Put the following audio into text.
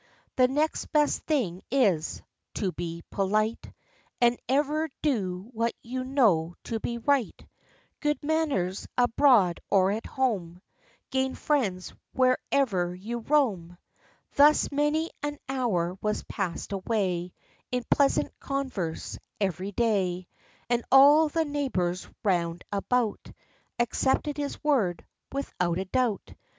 The next best thing is, to be polite, And ever do what you know to be right: Good manners, abroad or at home, Gain friends wherever you roam." Thus many an hour was passed away In pleasant converse every day; And all the neighbors round about Accepted his word, without a doubt.